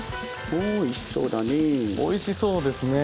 おいしそうだね。